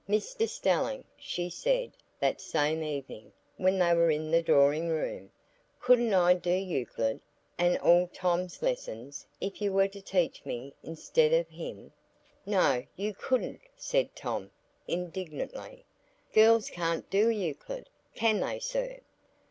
"Mr Stelling," she said, that same evening when they were in the drawing room, "couldn't I do Euclid, and all Tom's lessons, if you were to teach me instead of him?" "No, you couldn't," said Tom, indignantly. "Girls can't do Euclid; can they, sir?"